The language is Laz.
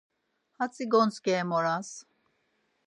Atzi gontzǩi em oras.